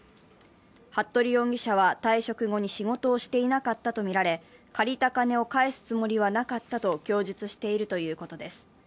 服部容疑者は退職後に仕事をしていなかったとみられ、借りた金を返すつもりはなかったと供述しているということです。